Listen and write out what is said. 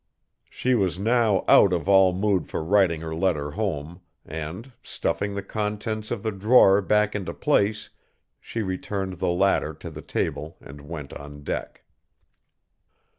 She was now out of all mood for writing her letter home, and, stuffing the contents of the drawer back into place, she returned the latter to the table and went on deck.